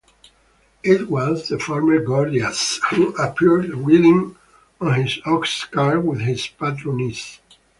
It was the farmer Gordias who appeared, riding in his ox-cart with his patroness.